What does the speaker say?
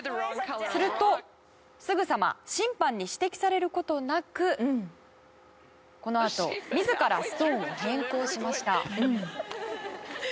するとすぐさま審判に指摘される事なくこのあと自らストーンを変更しました。